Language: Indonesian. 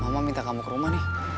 mama minta kamu ke rumah nih